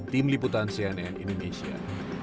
tim liputan cnn indonesia